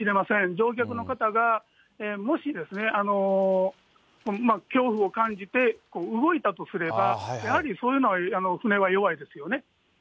乗客の方が、もしですね、恐怖を感じて動いたとすれば、やはりそういうのは舟は弱いですよね。